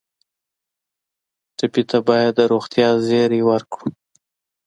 ټپي ته باید د روغتیا زېری ورکړو.